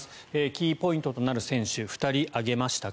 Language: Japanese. キーポイントとなる選手２人挙げました。